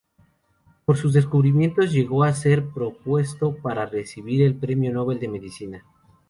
Por sus descubrimientos llegó a ser propuesto para recibir el Premio Nobel de Medicina.